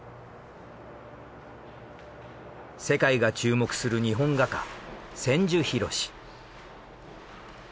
世界が注目する日本画家千住博。